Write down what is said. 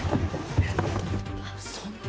そんな。